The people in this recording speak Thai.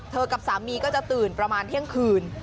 กับสามีก็จะตื่นประมาณเที่ยงคืน